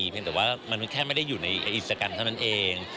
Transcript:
เพียงแต่ว่ามันแค่ไม่ได้อยู่ในอินสตาแกรมเท่านั้นเอง